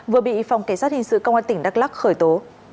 vừa bị phòng cảnh sát hình sự công an tỉnh đắk lắc khởi tố